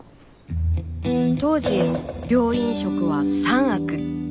当時病院食は「３悪」。